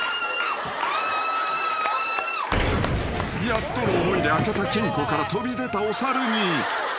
［やっとの思いで開けた金庫から飛び出たお猿に］